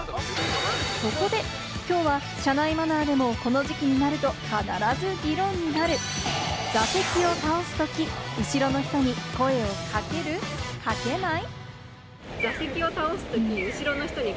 そこできょうは車内マナーにも、この時期になると必ず議論になる座席を倒すとき、後ろの人に声をかける？かけない？